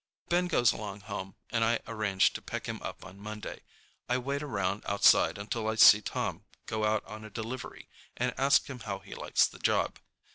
Ben goes along home and I arrange to pick him up on Monday. I wait around outside until I see Tom go out on a delivery and ask him how he likes the job.